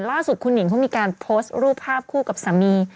ล่าสุดคุณหิงเขามีการโพสต์รูปภาพคู่กับสามี